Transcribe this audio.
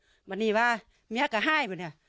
ภรรยาก็บอกว่านายเทวีอ้างว่าไม่จริงนายทองม่วนขโมย